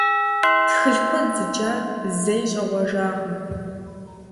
Тхылъ куэд зыджа зэи щӀегъуэжакъым.